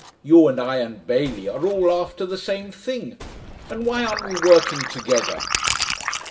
You and I and Bailey are all after the same thing, and why aren't we working together?"